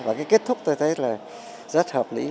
và cái kết thúc tôi thấy là rất hợp lý